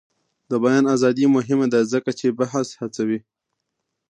د بیان ازادي مهمه ده ځکه چې بحث هڅوي.